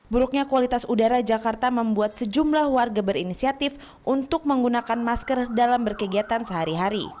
buruknya kualitas udara jakarta membuat sejumlah warga berinisiatif untuk menggunakan masker dalam berkegiatan sehari hari